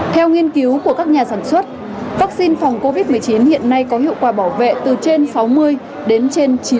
theo nghiên cứu của các nhà sản xuất vaccine phòng covid một mươi chín hiện nay có hiệu quả bảo vệ từ trên sáu mươi đến trên chín mươi